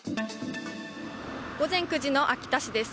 午前９時の秋田市です。